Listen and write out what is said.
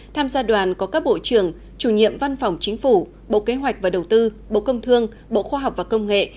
tham gia đoàn có các bộ trưởng chủ nhiệm văn phòng chính phủ bộ kế hoạch và đầu tư bộ công thương bộ khoa học và công nghệ